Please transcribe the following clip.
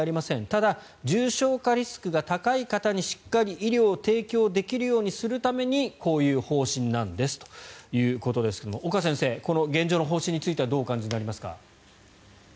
ただ、重症化リスクが高い方にしっかり医療を提供できるようにするためにこういう方針なんですということですが岡先生この現状の方針についてはどうお感じになりますか？